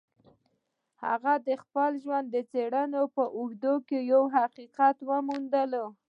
هغه د خپل ژوند د څېړنو په اوږدو کې يو حقيقت موندلی.